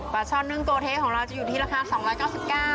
ช่อนนึ่งโกเทของเราจะอยู่ที่ราคา๒๙๙บาท